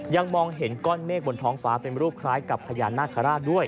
ยังมองเห็นก้อนเมฆบนท้องฟ้าเป็นรูปคล้ายกับพญานาคาราชด้วย